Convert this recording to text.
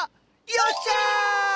よっしゃ！